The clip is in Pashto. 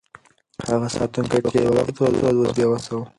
هغه ساتونکی چې یو وخت یې واک درلود، اوس بې وسه و.